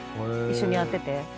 一緒にやってて。